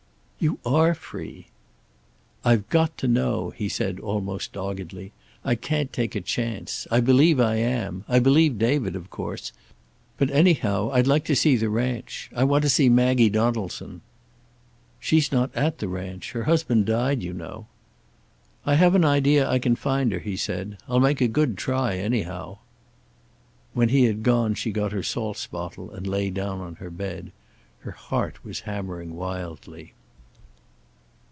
"You are free." "I've got to know," he said, almost doggedly. "I can't take a chance. I believe I am. I believe David, of course. But anyhow I'd like to see the ranch. I want to see Maggie Donaldson." "She's not at the ranch. Her husband died, you know." "I have an idea I can find her," he said. "I'll make a good try, anyhow." When he had gone she got her salts bottle and lay down on her bed. Her heart was hammering wildly.